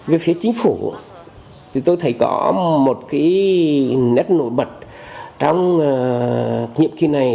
về phía chính phủ thì tôi thấy có một cái nét nổi bật trong nhiệm kỳ này